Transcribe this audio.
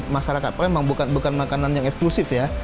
masyarakat pun memang bukan makanan yang eksklusif ya